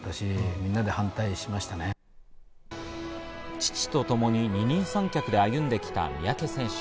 父とともに二人三脚で歩んできた三宅選手。